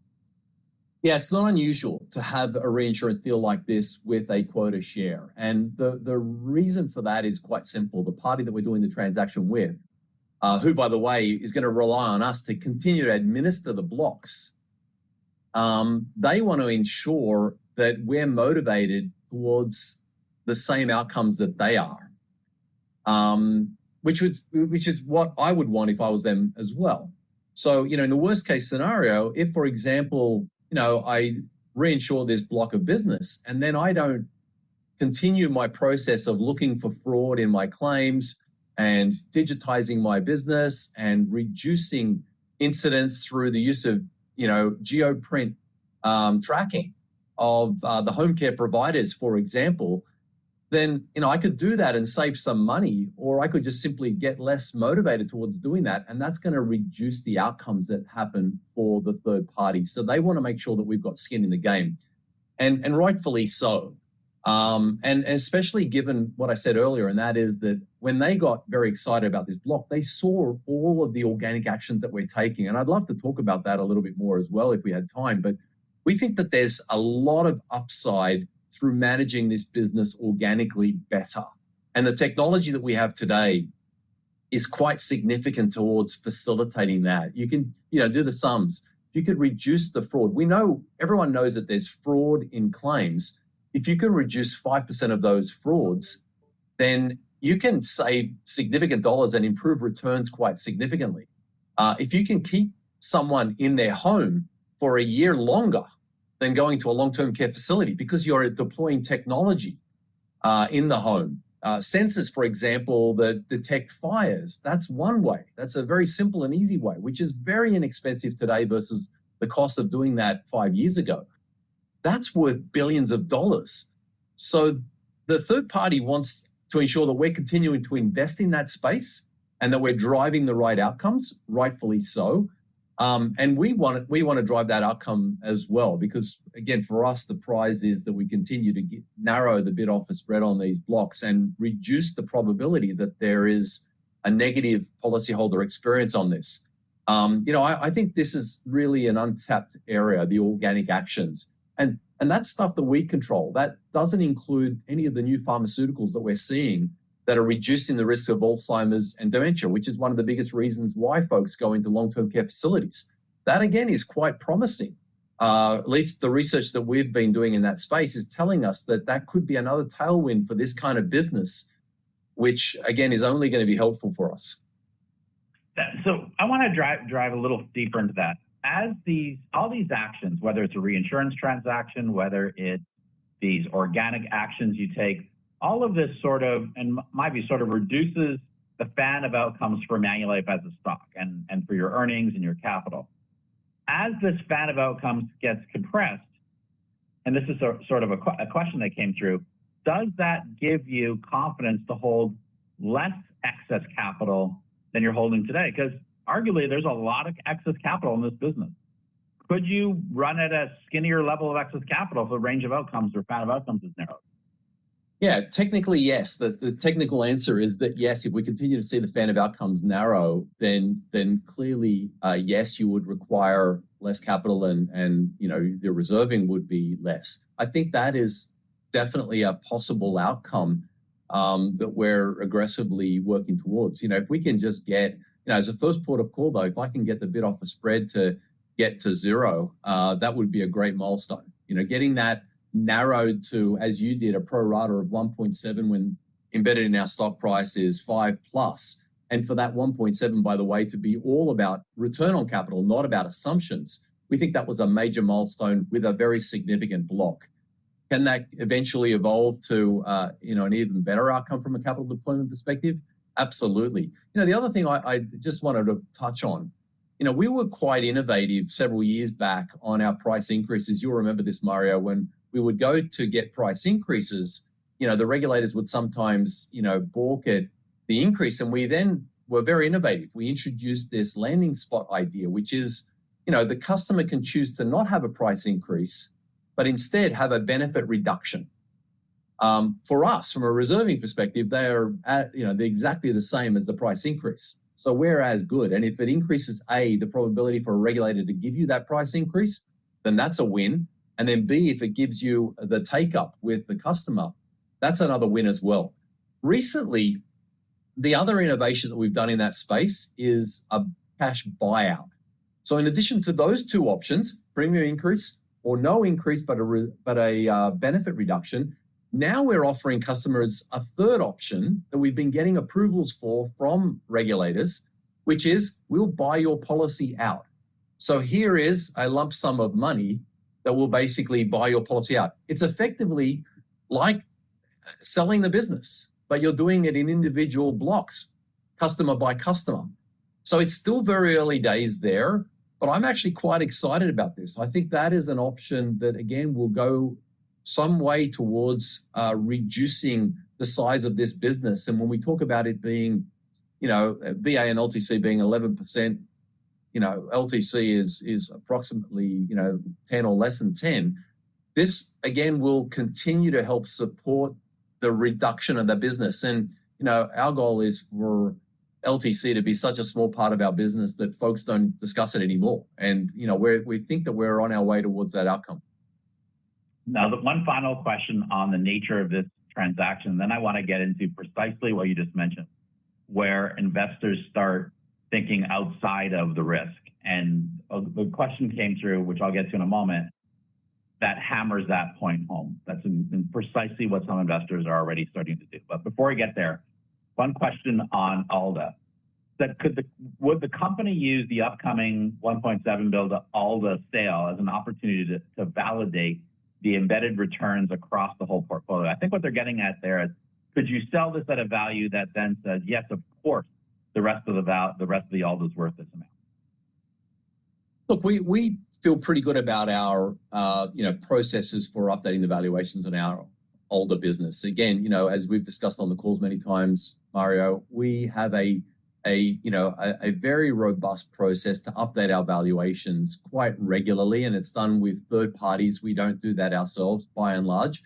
Yeah, it's not unusual to have a reinsurance deal like this with a quota share, and the reason for that is quite simple. The party that we're doing the transaction with, who, by the way, is gonna rely on us to continue to administer the blocks, they want to ensure that we're motivated towards the same outcomes that they are. Which is what I would want if I was them as well. So, you know, in the worst-case scenario, if, for example, you know, I reinsure this block of business, and then I don't continue my process of looking for fraud in my claims and digitizing my business and reducing incidents through the use of, you know, GeoPrint, tracking of the home care providers, for example, then, you know, I could do that and save some money, or I could just simply get less motivated towards doing that, and that's gonna reduce the outcomes that happen for the third party. So they wanna make sure that we've got skin in the game, and, and rightfully so. Especially given what I said earlier, and that is that when they got very excited about this block, they saw all of the organic actions that we're taking, and I'd love to talk about that a little bit more as well if we had time. But we think that there's a lot of upside through managing this business organically better, and the technology that we have today is quite significant towards facilitating that. You can, you know, do the sums. If you could reduce the fraud, we know—everyone knows that there's fraud in claims. If you can reduce 5% of those frauds, then you can save significant dollars and improve returns quite significantly. If you can keep someone in their home for a year longer than going to a long-term care facility because you're deploying technology in the home. Sensors, for example, that detect fires, that's one way. That's a very simple and easy way, which is very inexpensive today versus the cost of doing that five years ago. That's worth $ billions. So the third party wants to ensure that we're continuing to invest in that space, and that we're driving the right outcomes, rightfully so. And we wanna, we wanna drive that outcome as well because, again, for us, the prize is that we continue to get narrow the bid-offer spread on these blocks and reduce the probability that there is a negative policyholder experience on this. You know, I think this is really an untapped area, the organic actions, and that's stuff that we control. That doesn't include any of the new pharmaceuticals that we're seeing that are reducing the risk of Alzheimer's and dementia, which is one of the biggest reasons why folks go into long-term care facilities. That, again, is quite promising. At least the research that we've been doing in that space is telling us that that could be another tailwind for this kind of business, which, again, is only gonna be helpful for us. Yeah. So I want to dive a little deeper into that. As all these actions, whether it's a reinsurance transaction, whether it's these organic actions you take, all of this sort of, and might be sort of reduces the fan of outcomes for Manulife as a stock and, and for your earnings and your capital. As this fan of outcomes gets compressed, and this is a sort of a question that came through: Does that give you confidence to hold less excess capital than you're holding today? 'Cause arguably, there's a lot of excess capital in this business. Could you run at a skinnier level of excess capital if the range of outcomes or fan of outcomes is narrowed? Yeah. Technically, yes. The technical answer is that, yes, if we continue to see the fan of outcomes narrow, then clearly, yes, you would require less capital and, and, you know, your reserving would be less. I think that is definitely a possible outcome, that we're aggressively working towards. You know, if we can just get... You know, as a first port of call, though, if I can get the bid-offer spread to get to zero, that would be a great milestone. You know, getting that narrowed to, as you did, a pro rata of 1.7 when embedded in our stock price is 5+, and for that 1.7, by the way, to be all about return on capital, not about assumptions, we think that was a major milestone with a very significant block. Can that eventually evolve to, you know, an even better outcome from a capital deployment perspective? Absolutely. You know, the other thing I just wanted to touch on: you know, we were quite innovative several years back on our price increases. You'll remember this, Mario, when we would go to get price increases, you know, the regulators would sometimes, you know, balk at the increase, and we then were very innovative. We introduced this landing spot idea, which is, you know, the customer can choose to not have a price increase, but instead have a benefit reduction. For us, from a reserving perspective, they are at, you know, they're exactly the same as the price increase, so we're as good. And if it increases, A, the probability for a regulator to give you that price increase, then that's a win, and then, B, if it gives you the take-up with the customer, that's another win as well. Recently, the other innovation that we've done in that space is a cash buyout. So in addition to those two options, premium increase or no increase, but a benefit reduction, now we're offering customers a third option that we've been getting approvals for from regulators which is, we'll buy your policy out. So here is a lump sum of money that will basically buy your policy out. It's effectively like selling the business, but you're doing it in individual blocks, customer by customer. So it's still very early days there, but I'm actually quite excited about this. I think that is an option that, again, will go some way towards reducing the size of this business. And when we talk about it being, you know, VA and LTC being 11%, you know, LTC is approximately, you know, 10 or less than 10. This, again, will continue to help support the reduction of the business. And, you know, our goal is for LTC to be such a small part of our business that folks don't discuss it anymore. And, you know, we think that we're on our way towards that outcome. Now, the one final question on the nature of this transaction, then I wanna get into precisely what you just mentioned, where investors start thinking outside of the risk. And a question came through, which I'll get to in a moment, that hammers that point home. That's precisely what some investors are already starting to do. But before I get there, one question on ALDA: would the company use the upcoming $1.7 billion ALDA sale as an opportunity to, to validate the embedded returns across the whole portfolio? I think what they're getting at there is: could you sell this at a value that then says, "Yes, of course, the rest of the ALDA is worth this amount? Look, we feel pretty good about our you know processes for updating the valuations on our ALDA business. Again, you know, as we've discussed on the calls many times, Mario, we have a you know a very robust process to update our valuations quite regularly, and it's done with third parties. We don't do that ourselves, by and large.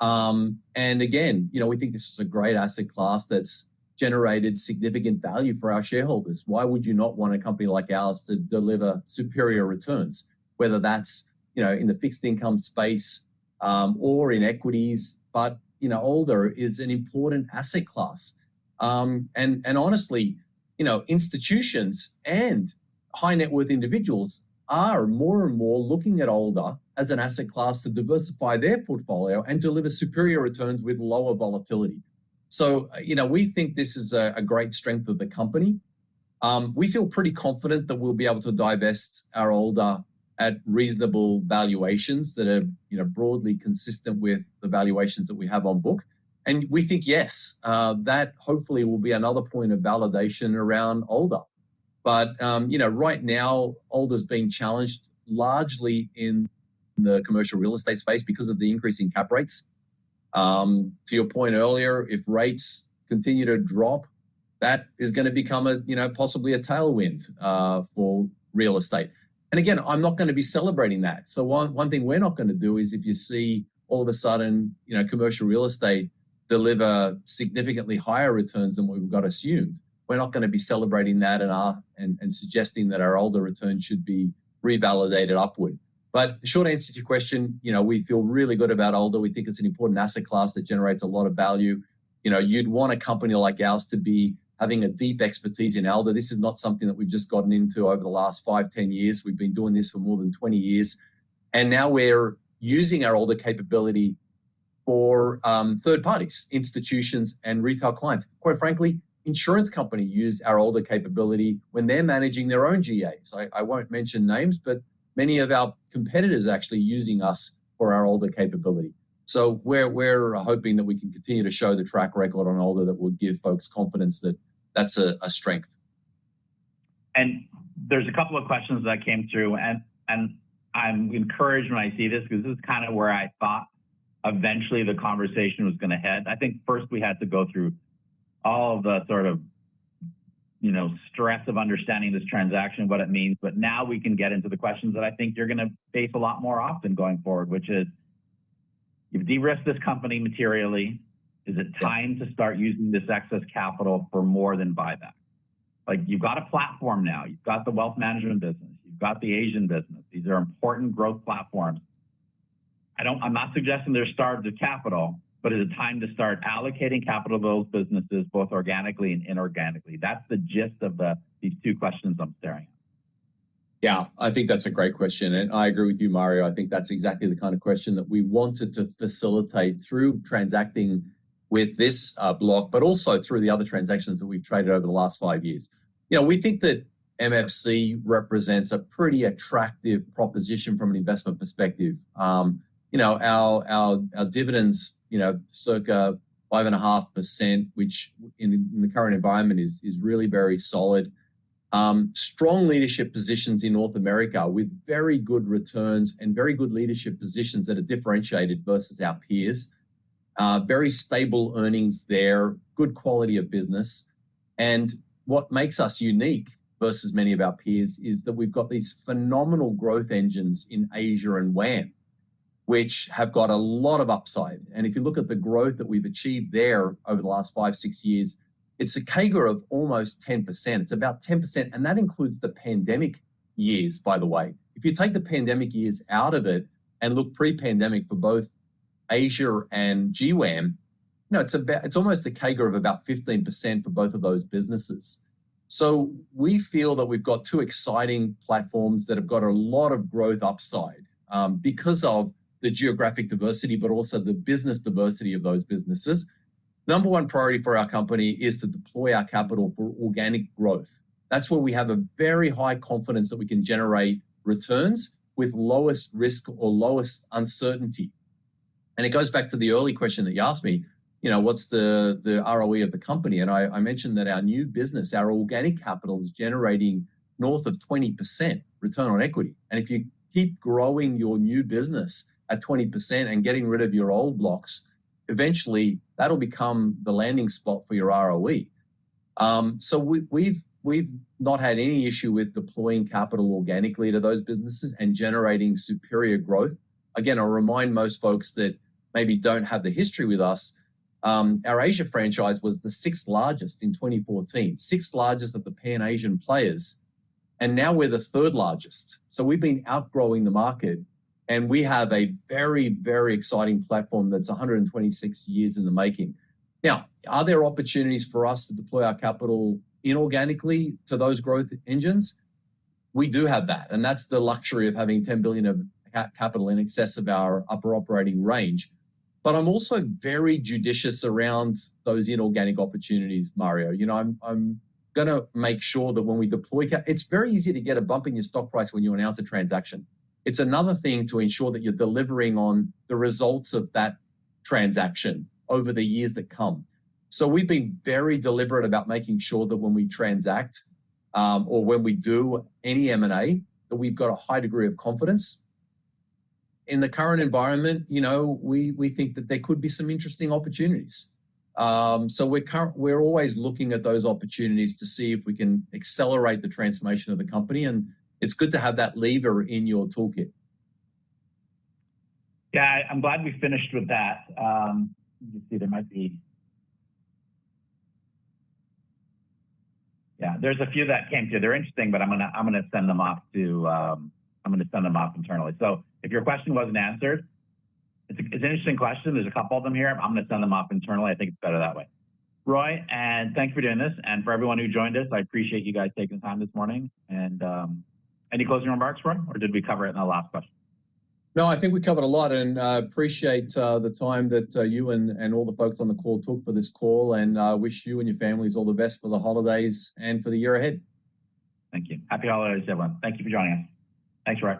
And again, you know, we think this is a great asset class that's generated significant value for our shareholders. Why would you not want a company like ours to deliver superior returns, whether that's you know in the fixed income space or in equities? But you know ALDA is an important asset class. And honestly, you know, institutions and high-net-worth individuals are more and more looking at ALDA as an asset class to diversify their portfolio and deliver superior returns with lower volatility. So, you know, we think this is a great strength of the company. We feel pretty confident that we'll be able to divest our ALDA at reasonable valuations that are, you know, broadly consistent with the valuations that we have on book. And we think, yes, that hopefully will be another point of validation around ALDA. But, you know, right now, ALDA's being challenged largely in the commercial real estate space because of the increase in cap rates. To your point earlier, if rates continue to drop, that is gonna become a, you know, possibly a tailwind, for real estate. And again, I'm not gonna be celebrating that. So one thing we're not gonna do is, if you see all of a sudden, you know, commercial real estate deliver significantly higher returns than what we've got assumed, we're not gonna be celebrating that and suggesting that our ALDA returns should be revalidated upward. But short answer to your question, you know, we feel really good about ALDA. We think it's an important asset class that generates a lot of value. You know, you'd want a company like ours to be having a deep expertise in ALDA. This is not something that we've just gotten into over the last 5, 10 years. We've been doing this for more than 20 years, and now we're using our ALDA capability for third parties, institutions, and retail clients. Quite frankly, insurance company use our ALDA capability when they're managing their own GAs. I won't mention names, but many of our competitors are actually using us for our ALDA capability. So we're hoping that we can continue to show the track record on ALDA that will give folks confidence that that's a strength. There's a couple of questions that came through, and I'm encouraged when I see this because this is kinda where I thought eventually the conversation was gonna head. I think first we had to go through all the sort of, you know, stress of understanding this transaction, what it means, but now we can get into the questions that I think you're gonna face a lot more often going forward, which is: you've de-risked this company materially, is it time to start using this excess capital for more than buyback? Like, you've got a platform now, you've got the wealth management business, you've got the Asian business. These are important growth platforms. I don't—I'm not suggesting there's starved to capital, but is it time to start allocating capital to those businesses, both organically and inorganically? That's the gist of these two questions I'm staring at. Yeah, I think that's a great question, and I agree with you, Mario. I think that's exactly the kind of question that we wanted to facilitate through transacting with this block, but also through the other transactions that we've traded over the last five years. You know, we think that MFC represents a pretty attractive proposition from an investment perspective. You know, our dividends, you know, circa 5.5%, which in the current environment is really very solid. Strong leadership positions in North America with very good returns and very good leadership positions that are differentiated versus our peers. Very stable earnings there, good quality of business. And what makes us unique versus many of our peers is that we've got these phenomenal growth engines in Asia and WAM, which have got a lot of upside. If you look at the growth that we've achieved there over the last five-six years, it's a CAGR of almost 10%. It's about 10%, and that includes the pandemic years, by the way. If you take the pandemic years out of it and look pre-pandemic for both Asia and GWAM, you know, it's almost a CAGR of about 15% for both of those businesses. So we feel that we've got two exciting platforms that have got a lot of growth upside, because of the geographic diversity, but also the business diversity of those businesses. Number one priority for our company is to deploy our capital for organic growth. That's where we have a very high confidence that we can generate returns with lowest risk or lowest uncertainty. It goes back to the early question that you asked me, you know, what's the, the ROE of the company? And I mentioned that our new business, our organic capital, is generating North of 20% return on equity. And if you keep growing your new business at 20% and getting rid of your old blocks, eventually that'll become the landing spot for your ROE. So we've not had any issue with deploying capital organically to those businesses and generating superior growth. Again, I'll remind most folks that maybe don't have the history with us, our Asia franchise was the sixth largest in 2014. Sixth largest of the Pan-Asian players, and now we're the third largest. So we've been outgrowing the market, and we have a very, very exciting platform that's 126 years in the making. Now, are there opportunities for us to deploy our capital inorganically to those growth engines? We do have that, and that's the luxury of having 10 billion of capital in excess of our upper operating range. But I'm also very judicious around those inorganic opportunities, Mario. You know, I'm gonna make sure that when we deploy capital. It's very easy to get a bump in your stock price when you announce a transaction. It's another thing to ensure that you're delivering on the results of that transaction over the years that come. So we've been very deliberate about making sure that when we transact, or when we do any M&A, that we've got a high degree of confidence. In the current environment, you know, we think that there could be some interesting opportunities. So we're always looking at those opportunities to see if we can accelerate the transformation of the company, and it's good to have that lever in your toolkit. Yeah, I'm glad we finished with that. Yeah, there's a few that came through. They're interesting, but I'm gonna send them off to, I'm gonna send them off internally. So if your question wasn't answered, it's an interesting question. There's a couple of them here. I'm gonna send them off internally. I think it's better that way. Roy, and thank you for doing this, and for everyone who joined us, I appreciate you guys taking the time this morning. And, any closing remarks, Roy, or did we cover it in the last question? No, I think we covered a lot, and I appreciate the time that you and all the folks on the call took for this call. I wish you and your families all the best for the holidays and for the year ahead. Thank you. Happy holidays, everyone. Thank you for joining us. Thanks, Roy.